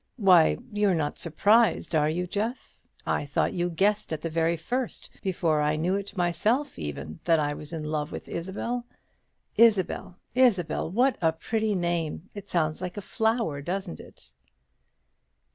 Why, you're not surprised, are you, Jeff? I thought you guessed at the very first before I knew it myself even that I was in love with Isabel. Isabel! Isabel! what a pretty name! It sounds like a flower, doesn't it?"